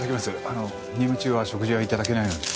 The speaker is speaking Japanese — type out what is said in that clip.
あの任務中は食事は頂けないので。